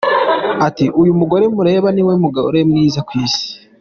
Ati “Uyu mugore mureba ni we mugore mwiza ku Isi.